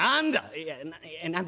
「いや『何だ？』